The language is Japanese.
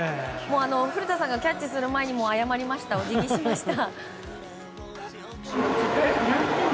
古田さんがキャッチする前にも謝りました、おじぎしました。